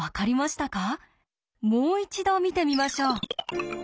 もう一度見てみましょう。